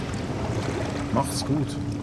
Mach's gut.